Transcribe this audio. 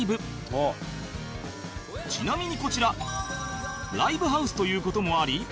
ちなみにこちらライブハウスという事もあり